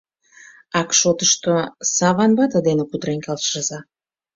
— Ак шотышто Саван вате дене кутырен келшыза.